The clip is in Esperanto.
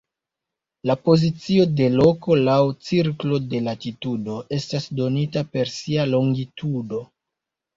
La pozicio de loko laŭ cirklo de latitudo estas donita per sia longitudo.